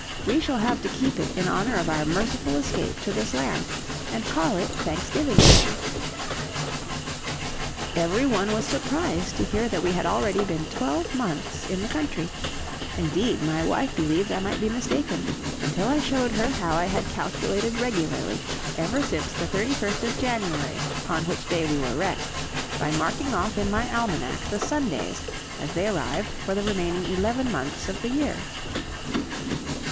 We shall have to keep it in honor of our merciful escape to this land, and call it Thanksgiving Day." Every one was surprised to hear that we had already been twelve months in the country indeed, my wife believed I might be mistaken, until I showed her how I had calculated regularly ever since the 31st of January, on which day we were wrecked, by marking off in my almanac the Sundays as they arrived for the remaining eleven months of that year.